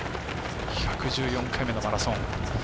１１４回目のマラソン。